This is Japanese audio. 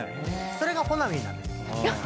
それがほなみんなんです。